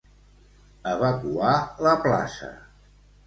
Evacuar la plaça.